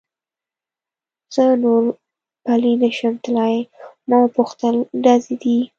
زه نور پلی نه شم تلای، ما و پوښتل: ډزې دي؟